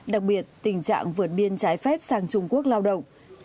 đặc biệt tình trạng vượt biên trái phép sang trung quốc lao động